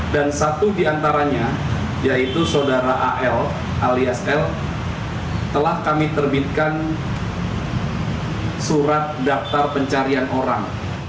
dan satu di antaranya yaitu saudara al alias l telah kami terbitkan surat daftar pencarian orang